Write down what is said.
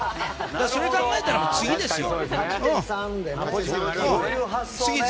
それを考えたら次ですよ。